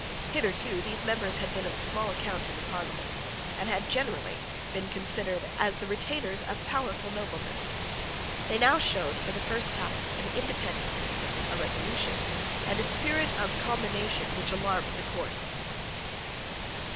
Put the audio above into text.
Hitherto those members had been of small account in the Parliament, and had generally, been considered as the retainers of powerful noblemen. They now showed, for the first time, an independence, a resolution, and a spirit of combination which alarmed the court.